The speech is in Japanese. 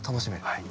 はい。